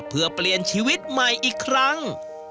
เพื่อเปลี่ยนชีวิตใหม่อีกครั้ง